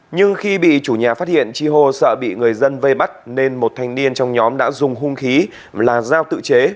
nhưng khi bị chủ nhà phát hiện chi hô sợ bị người dân vây bắt nên một thanh niên trong nhóm đã dùng hung khí là giao tự chế